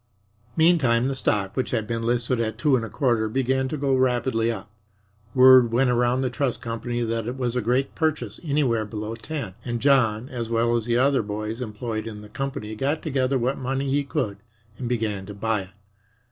Meantime the stock, which had been listed at 2 1/4, began to go rapidly up. Word went around the trust company that it was a great purchase anywhere below 10, and John, as well as the other boys employed in the company, got together what money he could and began to buy it.